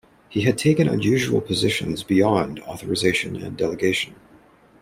He had taken unusual positions beyond authorization and delegation.